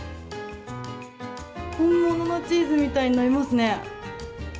本物のチーズみたいに伸びますね。